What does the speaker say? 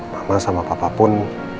mama sama bapak pun